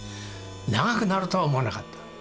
長くなるとは思わなかった。